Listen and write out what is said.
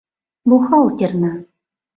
— Бухгалтерна.